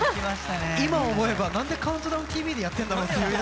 今思えばなんで「ＣＤＴＶ」でやってるんだろうって。